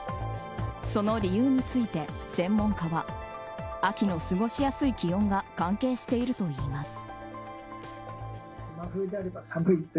その理由について、専門家は秋の過ごしやすい気温が関係しているといいます。